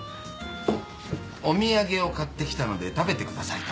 「お土産を買ってきたので食べてください」と。